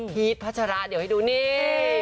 พัชราเดี๋ยวให้ดูนี่